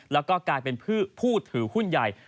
แล้วก็กลายเป็นผู้ถือหุ้นใหญ่